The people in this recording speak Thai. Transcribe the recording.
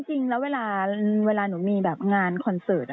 จริงแล้วเวลาหนูมีแบบงานคอนเสิร์ต